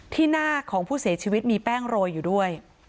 หน้าของผู้เสียชีวิตมีแป้งโรยอยู่ด้วย